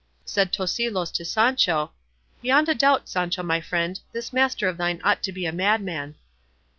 Said Tosilos to Sancho, "Beyond a doubt, Sancho my friend, this master of thine ought to be a madman."